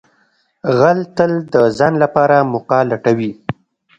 غل تل د ځان لپاره موقع لټوي